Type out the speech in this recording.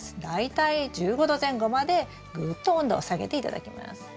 大体１５℃前後までぐっと温度を下げて頂きます。